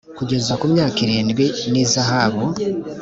kugeza ku myaka irindwi n ihazabu